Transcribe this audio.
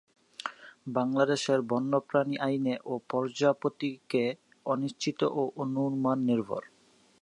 বাংলাদেশের বন্যপ্রাণী আইনে এ প্রজাতিটিকে অনিশ্চিত ও অনুমান নির্ভর।